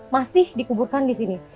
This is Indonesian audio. masih dikuburkan di sini